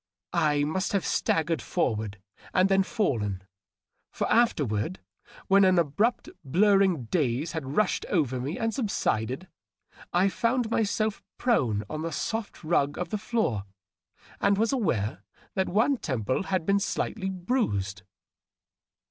.. I must have staggered forward and then fallen ; for afterward, when an abrupt, blurring daze had rushed over me and subsided, I found myself prone on the soft rug of the floor, and was aware that one temple had been slightly bruised.